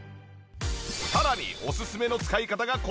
さらにオススメの使い方がこちら。